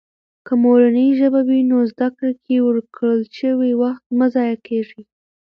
که مورنۍ ژبه وي، نو زده کړې کې ورکړل شوي وخت مه ضایع کېږي.